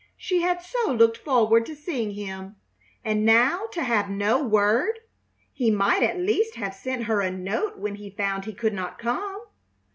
She had so looked forward to seeing him, and now to have no word! He might at least have sent her a note when he found he could not come.